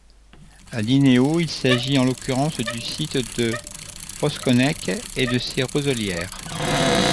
À Dinéault, il s'agit en l'occurrence du site de Rosconnec et de ses roselières.